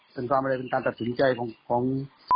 เป็นความอะไรเป็นการตัดสินใจของ